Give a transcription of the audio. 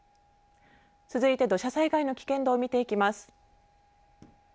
続いて土砂災害の危険度を見ていきます。